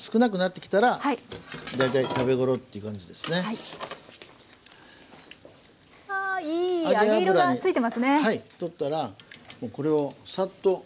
はい揚げ油に取ったらもうこれをサッと。